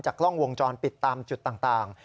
กล้องวงจรปิดตามจุดต่าง